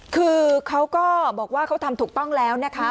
คือเขาก็บอกว่าเขาทำถูกต้องแล้วนะคะ